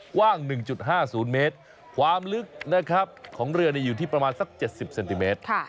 กว้าง๑๕๐เมตรความลึกนะครับของเรืออยู่ที่ประมาณสัก๗๐เซนติเมตร